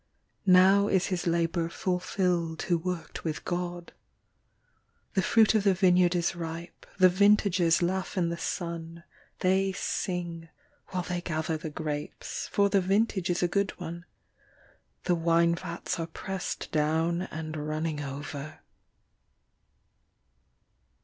Now is his labour fulfilled who worked with God. The fruit of the vineyard is ripe, The vintagers laugh in the sun, They sing while they gather the grapes, For the vintage is a good one, The wine vats are pressed down and running over.